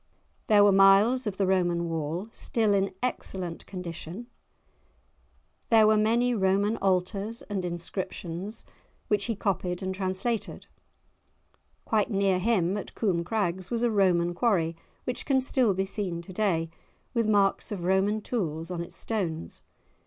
There were miles of the Roman wall, still in excellent condition; there were many Roman altars and inscriptions, which he copied and translated; quite near him, at Coome Crags, was a Roman quarry, which can still be seen to day, with marks of Roman tools on its stones.